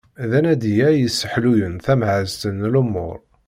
D anadi-a i yesselḥuyen tamhazt n lumuṛ.